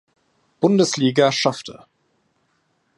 Bundesliga schaffte.